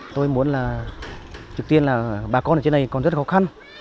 tôi muốn là trực tiên là bà con ở trên này còn rất khó khăn